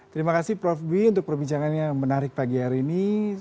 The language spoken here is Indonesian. terima kasih prof bui untuk perbincangan yang menarik pagi hari ini